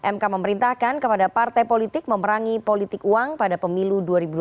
mk memerintahkan kepada partai politik memerangi politik uang pada pemilu dua ribu dua puluh